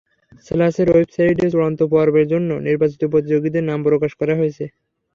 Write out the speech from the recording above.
স্ল্যাশের ওয়েবসাইটে চূড়ান্ত পর্বের জন্য নির্বাচিত প্রতিযোগীদের নাম প্রকাশ করা হয়েছে।